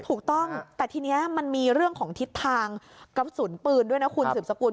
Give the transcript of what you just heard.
ถูกต้องแต่ทีนี้มันมีเรื่องของทิศทางกระสุนปืนด้วยนะคุณสืบสกุล